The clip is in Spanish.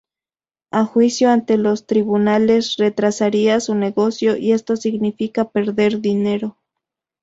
Un juicio ante los tribunales retrasaría su negocio, y eso significa perder dinero.